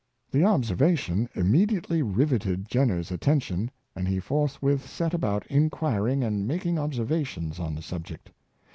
The observation immediately riveted Jenner 's attention^ and he forthwith set about inquiring and mak ing observations on the subject.